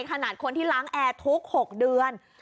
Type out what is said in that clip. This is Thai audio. ขนาดคนที่ล้างแอร์ทุก๖เดือน